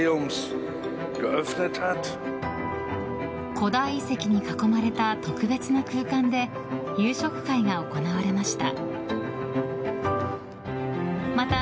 古代遺跡に囲まれた特別な空間で夕食会が行われました。